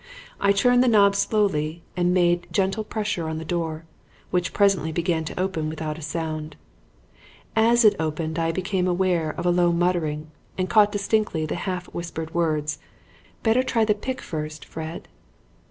I turned the knob slowly and made gentle pressure on the door, which presently began to open without a sound. As it opened I became aware of a low muttering, and caught distinctly the half whispered words, 'Better try the pick first, Fred.'